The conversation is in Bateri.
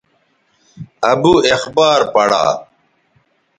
ابو اخبار پڑا